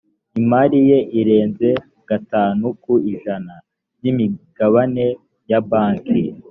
imari ye irenze gatanu ku ijana by imigabane ya banki